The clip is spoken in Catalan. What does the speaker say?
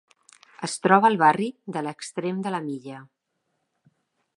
Es troba al barri de l'extrem de la milla.